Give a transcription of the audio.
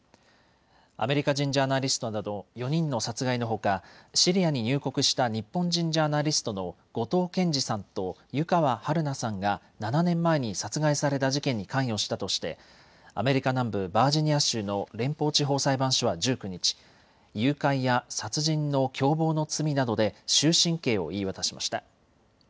アメリカ人ジャーナリストなど４人の殺害のほかシリアに入国した日本人ジャーナリストの後藤健二さんと湯川遥菜さんが７年前に殺害された事件に関与したとしてアメリカ南部バージニア州の連邦地方裁判所は１９日、誘拐や殺人の共謀の罪などで終身刑を言い渡しました。